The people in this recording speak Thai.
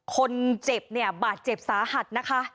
คนเจ็บเนี่ยบาดเจ็บสาหัสนะคะ